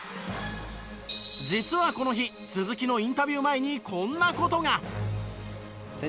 実はこの日鈴木のインタビュー前にこんな事が。